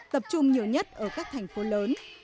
tập trung nhiều nhất ở các thành phố lớn